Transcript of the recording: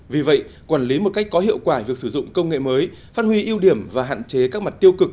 vì vậy quản lý một cách có hiệu quả việc sử dụng công nghệ mới phát huy ưu điểm và hạn chế các mặt tiêu cực